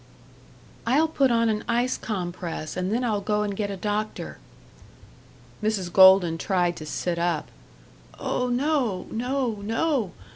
"I'll put on an ice compress and then I'll go and get a doctor." Mrs. Golden tried to sit up. "Oh no, no, no!